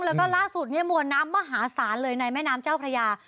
แล้วก็ล่าสุดเนี่ยมวลน้ำมหาศาลเลยในแม่น้ำเจ้าพระยา